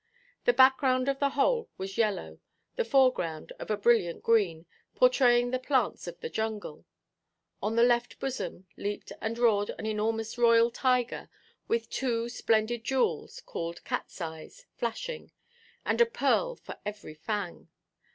The background of the whole was yellow, the foreground of a brilliant green, portraying the plants of the jungle. On the left bosom leaped and roared an enormous royal tiger, with two splendid jewels, called "catʼs–eyes," flashing, and a pearl for every fang.